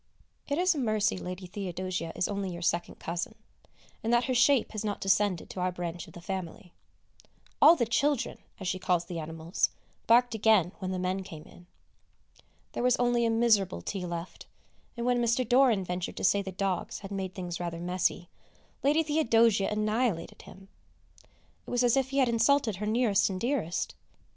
It is a mercy Lady Theodosia is only your second cousin, and that her shape has not descended to our branch of the family. All the "children" as she calls the animals barked again when the men came in. There was only a miserable tea left, and, when Mr. Doran ventured to say the dogs had made things rather messy, Lady Theodosia annihilated him. It was as if he had insulted her nearest and dearest!